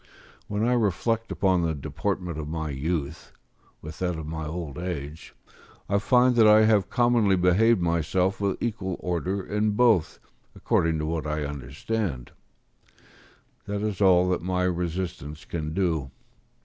When I reflect upon the deportment of my youth, with that of my old age, I find that I have commonly behaved myself with equal order in both according to what I understand: this is all that my resistance can do.